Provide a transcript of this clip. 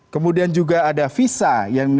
kemudian juga ada visa